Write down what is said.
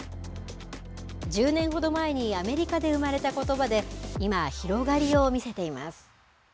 １０年ほど前にアメリカで生まれたことばで、今、広がりを見せています。